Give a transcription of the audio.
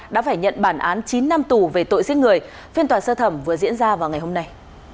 đã phải nhận bản án chín năm tù về tội giết người phiên tòa sơ thẩm vừa diễn ra vào ngày hôm nay